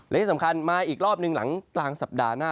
และที่สำคัญมาอีกรอบหนึ่งหลังกลางสัปดาห์หน้า